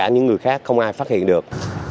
những người khác không ai phát hiện được